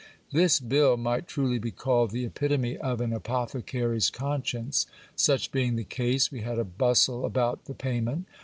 This bill might truly be called the epitome of an apothecary's conscience. Such being the case, we had a bustle about the pay ment.